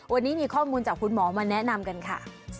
วันนี้มีข้อมูลจากคุณหมอมาแนะนำกันค่ะ